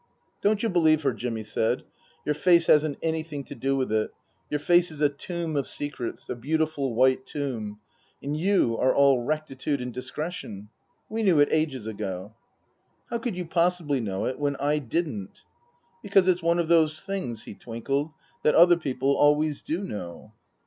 " Don't you believe her," Jimmy said. " Your face hasn't anything to do with it. Your face is a tomb of secrets a beautiful, white tomb. And you are all rectitude and discretion. We knew it ages ago." " How could you possibly know it, when I didn't ?"" Because it's one of those things " (he twinkled) " that other people always do know."